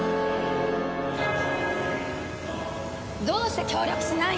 どうして協力しないの！？